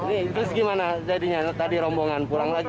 ini terus gimana jadinya tadi rombongan pulang lagi